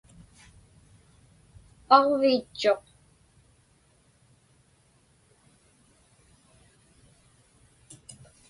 Aġviitchuq.